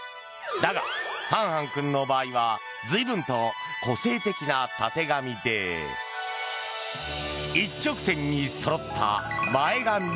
だが、ハンハン君の場合は随分と個性的なたてがみで一直線にそろった前髪。